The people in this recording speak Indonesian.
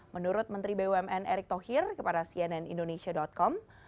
menurut menteri bumn erick thohir kepada cnn indonesia com